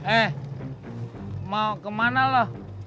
eh mau kemana lo